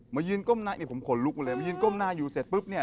มายืนก้มหน้าเนี่ยผมขนลุกมาเลยมายืนก้มหน้าอยู่เสร็จปุ๊บเนี่ย